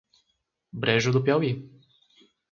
Brejo do Piauí